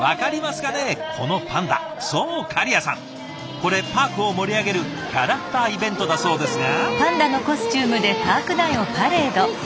これパークを盛り上げるキャラクターイベントだそうですが。